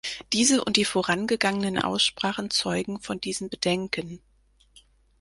Diese und die vorangegangenen Aussprachen zeugen von diesen Bedenken.